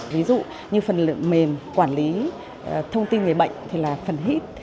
ví dụ như phần mềm quản lý thông tin về bệnh thì là phần hít